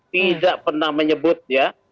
tidak pernah menyebut ya